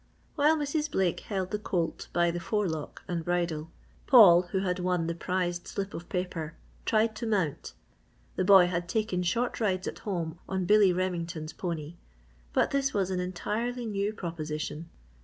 While Mrs. Blake held the colt by the forelock and bridle, Paul, who had won the prized slip of paper, tried to mount. The boy had taken short rides at home on Billy Remington's pony, but this was an entirely new proposition.